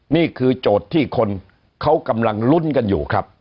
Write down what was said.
โจทย์ที่คนเขากำลังลุ้นกันอยู่ครับ